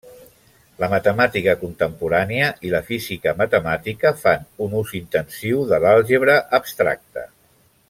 La matemàtica contemporània i la física matemàtica fan un ús intensiu de l'àlgebra abstracta.